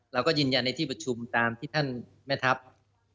เราก็ยืนยันในที่ประชุมตามที่ท่านแม่ทัพ